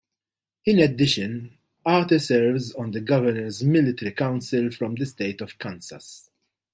In addition, Arter serves on the Governor's Military Council for the state of Kansas.